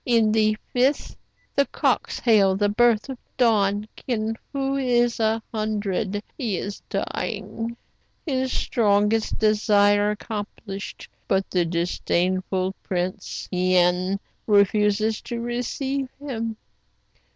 " In the fifth the cocks hail the birth of dawn. Kin Fo is a hundred. He is dying, his strongest desire accom plished; but the disdainful Prince len refuses to receive him.